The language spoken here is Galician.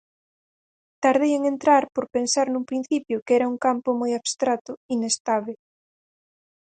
Tardei en entrar por pensar nun principio que era un campo moi abstracto, inestábel.